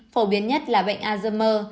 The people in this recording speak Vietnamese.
phổ biến nhất là bệnh alzheimer